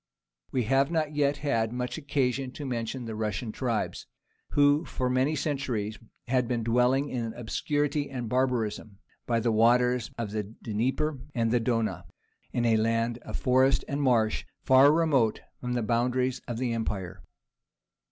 We have not yet had much occasion to mention the Russian tribes, who for many centuries had been dwelling in obscurity and barbarism, by the waters of the Dnieper and the Duna, in a land of forest and marsh, far remote from the boundaries of the empire.